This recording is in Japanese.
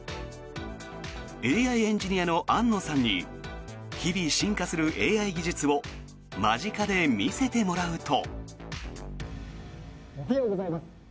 ＡＩエンジニアの安野さんに日々、進化するＡＩ技術を間近で見せてもらうと。